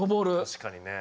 確かにね。